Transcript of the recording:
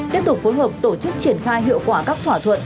tiếp tục phối hợp tổ chức triển khai hiệu quả các thỏa thuận